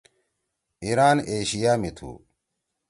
ایِران ایشیا می تُھو۔